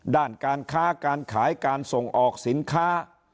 ด้านการค้าการขายการส่งออกสินค้า